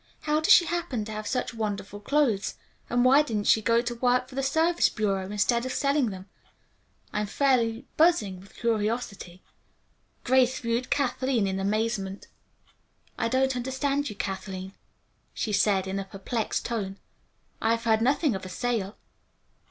How does she happen to have such wonderful clothes, and why didn't she go to work for the Service Bureau instead of selling them? I'm fairly buzzing with curiosity." Grace viewed Kathleen in amazement. "I don't understand you, Kathleen," she said, in a perplexed tone. "I have heard nothing of a sale."